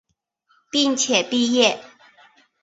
并且毕业。